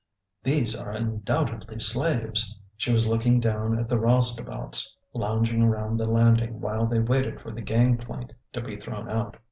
These are undoubtedly slaves !'' She was looking down at the roustabouts lounging around the landing while they waited for the gang plank to be thrown out.